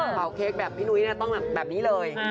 เค้กแบบพี่นุ้ยต้องแบบนี้เลย